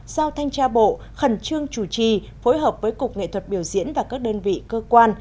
giao thanh tra bộ khẩn trương chủ trì phối hợp với cục nghệ thuật biểu diễn và các đơn vị cơ quan